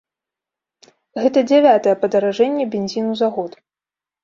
Гэта дзявятае падаражэнне бензіну за год.